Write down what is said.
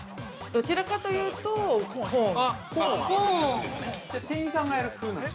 ◆どちらかというと、コーン。